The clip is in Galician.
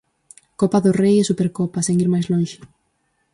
Copa do Rei e Supercopa, sen ir máis lonxe.